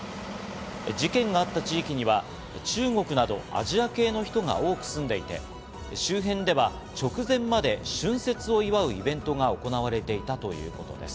事件があった地域には中国などアジア系の人が多く住んでいて、周辺では直前まで春節を祝うイベントが行われていたということです。